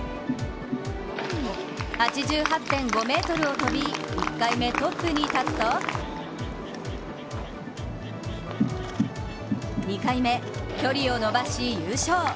８８．５ｍを飛び１回目トップに立つと２回目、距離を伸ばし優勝。